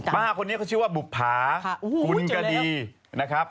ป้าคนนี้เขาชื่อว่าบุภากุลกดีนะครับ